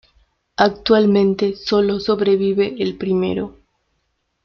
Actualmente, solo sobrevive el primero.